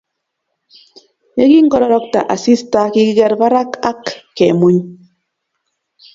Yekingororokto asista kikiker parak ak kemuny